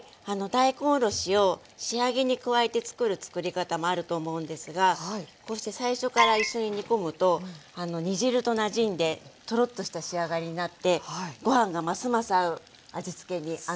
大根おろしを仕上げに加えてつくるつくり方もあると思うんですがこうして最初から一緒に煮込むと煮汁となじんでトロッとした仕上がりになってご飯がますます合う仕上がりになります。